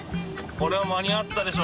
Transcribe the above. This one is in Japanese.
これは間に合ったでしょ